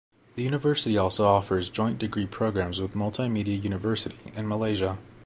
The university also offers joint degree programs with Multimedia University in Malaysia.